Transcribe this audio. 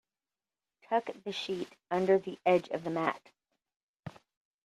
Tuck the sheet under the edge of the mat.